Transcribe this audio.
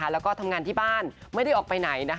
แล้วก็ทำงานที่บ้านไม่ได้ออกไปไหน